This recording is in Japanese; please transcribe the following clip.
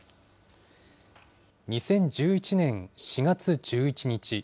２０１１年４月１１日。